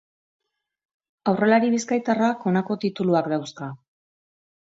Aurrelari bizkaitarrak honako tituluak dauzka.